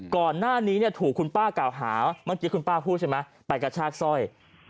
ก่อนหน้านี้เนี่ยถูกคุณป้ากล่าวหาเมื่อกี้คุณป้าพูดใช่ไหมไปกระชากสร้อย